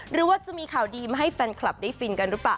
หรือว่าจะมีข่าวดีมาให้แฟนคลับได้ฟินกันหรือเปล่า